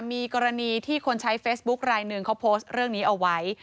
มีกรณีที่คนใช้เฟซบุ๊คลายหนึ่งเขาโพสต์เรื่องนี้เอาไว้